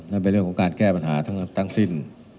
นั่นเป็นเรื่องของการแก้ปัญหาทั้งสิ้น